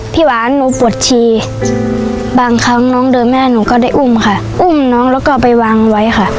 หวานหนูปวดชีบางครั้งน้องเดินแม่หนูก็ได้อุ้มค่ะอุ้มน้องแล้วก็ไปวางไว้ค่ะ